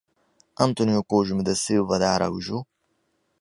Antônio Cosme da Silva de Araújo